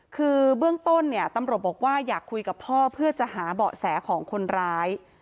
คือเบื้องต้นเนี่ยตำรวจบอกว่าอยากคุยกับพ่อเพื่อจะหาเบาะแสของคนร้าย